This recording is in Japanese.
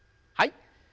はい。